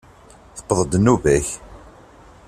Tewweḍ-d nnuba-k!